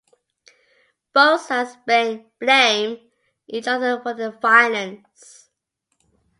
Both sides blame each other for the violence.